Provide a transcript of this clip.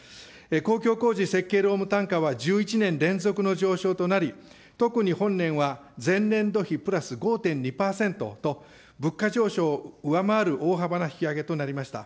公共工事設計労務単価は１１年連続の上昇となり、特に本年は前年度比プラス５．２％と、物価上昇を上回る大幅な引き上げとなりました。